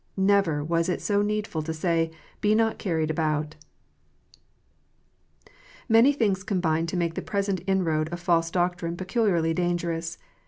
Never was it so needful to say, " Be not carried about." Many things combine to make the present inroad of false doctrine peculiarly dangerous.